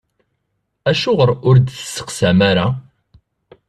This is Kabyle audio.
Acuɣer ur d-testeqsam ara?